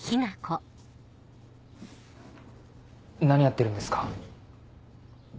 何やってるんですか？